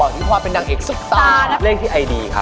เล่นหนังมาทั้งหมดอย่างที่ผ่านมา